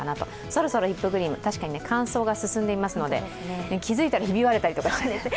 そろそろリップクリーム、確かに乾燥が進んでいますので、気づいたらひび割れていたりしてね。